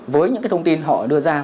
với những thông tin họ đưa ra